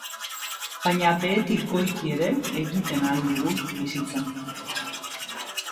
Baina behetik goiti ere egiten ahal dugu bizitzan.